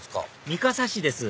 三笠市です